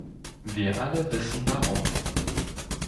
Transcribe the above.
Wir alle wissen, warum.